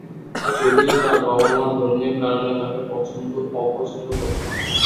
যদিও তার বাবা-মা ধর্মীয় কারণে তাকে অপছন্দ করত।